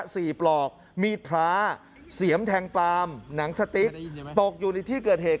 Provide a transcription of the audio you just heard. ปลอกมีดพระเสียมแทงปลามหนังสติ๊กตกอยู่ในที่เกิดเหตุ